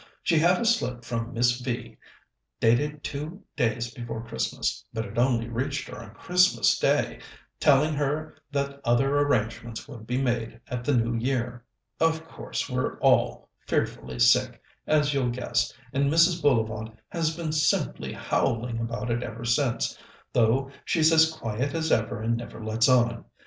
She had a slip from Miss V. dated two days before Christmas but it only reached her on Christmas Day telling her that other arrangements would be made at the New Year. Of course, we're all fearfully sick, as you'll guess, and Mrs. Bullivant has been simply howling about it ever since, though she's as quiet as ever and never lets on.